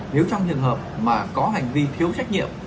nếu trong trường hợp mà có hành vi thiếu trách nhiệm